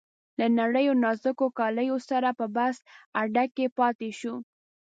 له نریو نازکو کالیو سره په بس اډه کې پاتې شو.